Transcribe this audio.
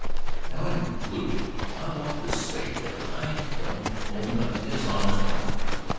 Now, in conclusion, I want to say that I don't own a dishonest dollar.